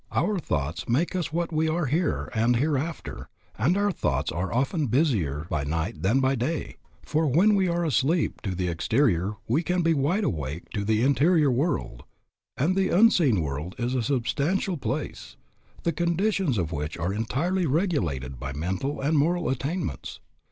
... Our thoughts make us what we are here and hereafter, and our thoughts are often busier by night than by day, for when we are asleep to the exterior we can be wide awake to the interior world; and the unseen world is a substantial place, the conditions of which are entirely regulated by mental and moral attainments.